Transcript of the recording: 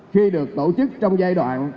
khi được tổ chức trong giai đoạn